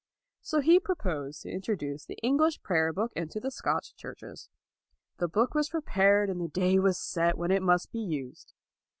1 So he proposed to introduce the English prayer book into the Scotch churches. The book was prepared and the day was set when it must be used.